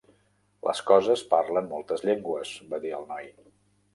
"Les coses parlen moltes llengües", va dir el noi.